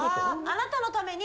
あなたのために。